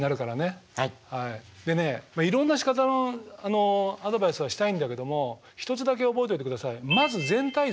でねいろんなしかたのアドバイスはしたいんだけども一つだけ覚えておいてください。